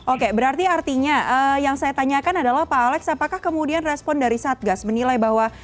oke berarti artinya yang saya tanyakan adalah pak alex apakah kemudian respon dari satgas menilai bahwa